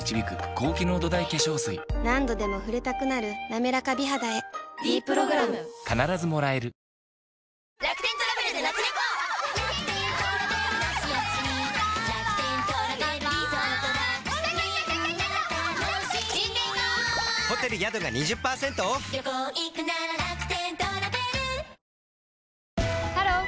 何度でも触れたくなる「なめらか美肌」へ「ｄプログラム」ハロー！